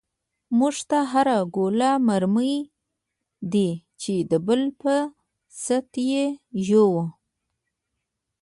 مونږ ته هر گوله مرگۍ دۍ، چی دبل په ست یی ژوو